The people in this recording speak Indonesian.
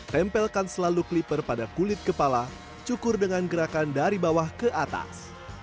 tempelkan selalu clipper pada kulit kepala cukur dengan gerakan dari bawah ke atas